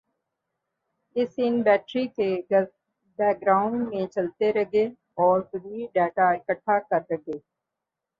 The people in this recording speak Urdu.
اس ان بیٹری کے گز بیک گراؤنڈ میں چلتے ر گے اور ضروری ڈیٹا اکھٹا کر ر گے